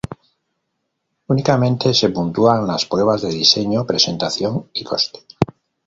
Únicamente se puntúan las pruebas de diseño, presentación y coste.